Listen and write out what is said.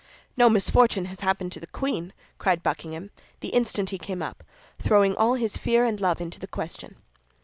"No misfortune has happened to the queen?" cried Buckingham, the instant he came up, throwing all his fear and love into the question.